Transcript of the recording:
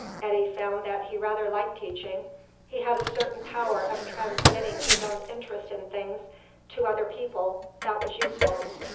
Eddy found that he rather liked teaching. He had a certain power of transmitting his own interest in things to other people that was useful.